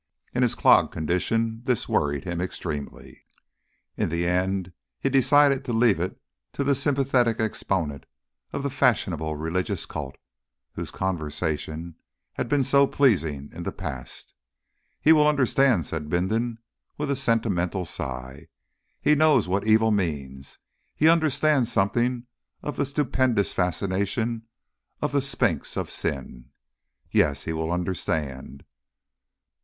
In his clogged condition this worried him extremely. In the end he decided to leave it to the sympathetic exponent of the fashionable religious cult, whose conversation had been so pleasing in the past. "He will understand," said Bindon with a sentimental sigh. "He knows what Evil means he understands something of the Stupendous Fascination of the Sphinx of Sin. Yes he will understand."